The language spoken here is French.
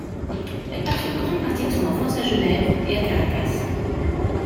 Elle passe une grande partie de son enfance à Genève et à Caracas.